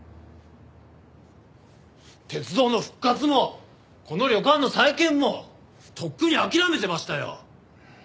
鉄道の復活もこの旅館の再建もとっくに諦めてましたよ！